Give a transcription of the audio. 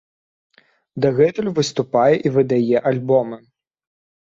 Дагэтуль выступае і выдае альбомы.